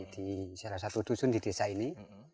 di salah satu dusun di desa ini